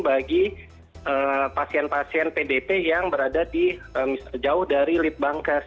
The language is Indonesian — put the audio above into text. bagi pasien pasien pdp yang berada di jauh dari litbangkes